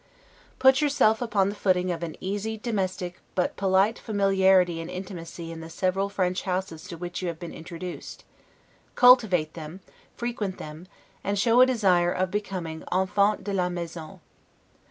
Put yourself upon the footing of an easy, domestic, but polite familiarity and intimacy in the several French houses to which you have been introduced: Cultivate them, frequent them, and show a desire of becoming 'enfant de la maison'.